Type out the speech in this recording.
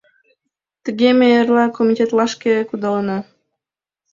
Тыге, ме эрла комитетлашке кудалына.